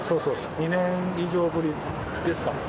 ２年以上ぶりですか。